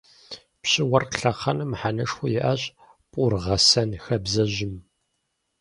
Пщы-уэркъ лъэхъэнэм мыхьэнэшхуэ иӏащ пӏургъэсэн хабзэжьым.